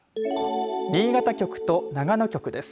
新潟局と長野局です。